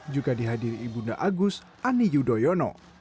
juga dihadiri ibu nda agus ani yudhoyono